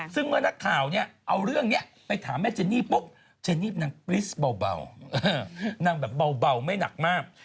ซึ่งเมื่อนักข่าวเนี่ยเอาเรื่องนี้ไปถามแม่เจนี่ปุ๊บเจนี่นางปริสเบานางแบบเบาไม่หนักมาก